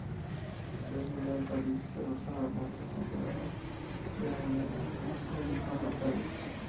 Residía en París, pero pasaba largas temporadas veraniegas en su Gijón natal.